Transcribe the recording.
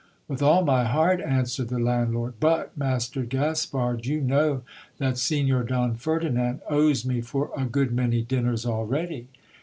With all my heart,* answered the landlord ;°but, Master Gaspard, you know that Signor Don Ferdinand owes me for a good many dinners already.